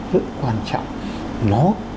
rất quan trọng nó